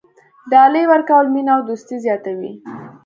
ډالۍ ورکول مینه او دوستي زیاتوي.